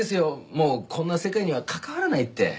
もうこんな世界には関わらないって。